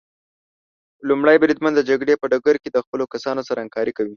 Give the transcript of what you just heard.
لومړی بریدمن د جګړې په ډګر کې د خپلو کسانو سره همکاري کوي.